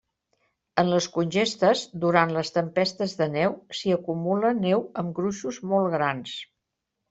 En les congestes, durant les tempestes de neu s'hi acumula neu amb gruixos molt grans.